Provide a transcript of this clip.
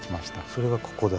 それがここだ。